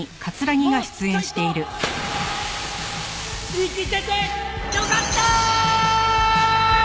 「生きててよかったーーー！！」